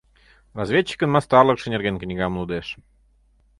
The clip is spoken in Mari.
Разведчикын мастарлыкше нерген книгам лудеш.